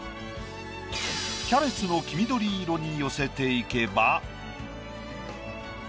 キャベツを黄緑色に寄せていけば。